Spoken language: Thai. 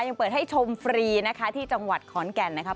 ยังเปิดให้ชมฟรีนะคะที่จังหวัดขอนแก่นนะครับ